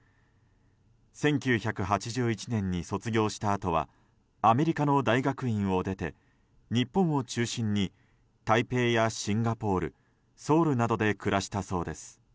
１９８１年に卒業したあとはアメリカの大学院を出て日本を中心に台北やシンガポールソウルなどで暮らしたそうです。